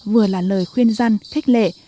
vừa là lời khuyên gian thích lệ